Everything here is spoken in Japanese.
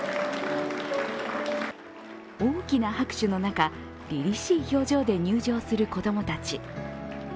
大きな拍手の中、りりしい表情で入場する子供たち。